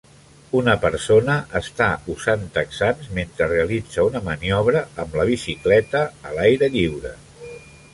Una persona està usant texans mentre realitza una maniobra amb la bicicleta a l'aire lliure.